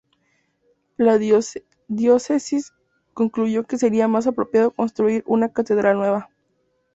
La diócesis concluyó que sería más apropiado construir una catedral nueva.